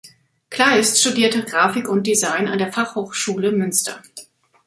Kleist studierte Grafik und Design an der Fachhochschule Münster.